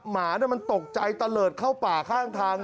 หมามันตกใจตะเลิศเข้าป่าข้างทาง